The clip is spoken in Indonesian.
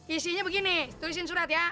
isinya begini tulisin surat ya